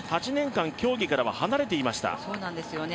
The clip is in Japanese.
８年間、競技からは離れていました。